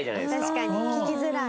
確かに聞きづらい。